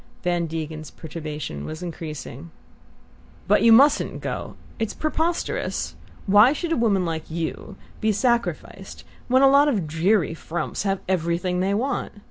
Van Degen's perturbation was increasing. "But you mustn't go it's preposterous! Why should a woman like you be sacrificed when a lot of dreary frumps have everything they want?